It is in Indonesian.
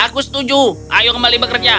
aku setuju ayo kembali bekerja